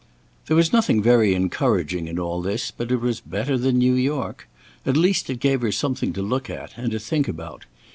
There was nothing very encouraging in all this, but it was better than New York. At least it gave her something to look at, and to think about.